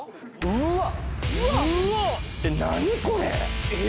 うわっ！